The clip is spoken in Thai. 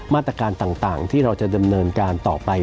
มาตรการต่างที่เราจะดำเนินการต่อไป